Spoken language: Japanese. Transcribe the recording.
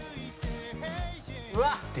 「うわっ！」